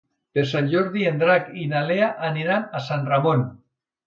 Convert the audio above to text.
Per Sant Jordi en Drac i na Lea aniran a Sant Ramon.